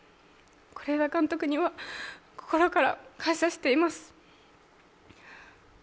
是枝監督には心から感謝しています。